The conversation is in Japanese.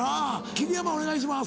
桐山お願いします。